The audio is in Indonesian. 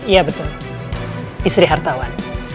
iya betul istri hartawan